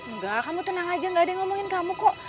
enggak kamu tenang aja gak ada yang ngomongin kamu kok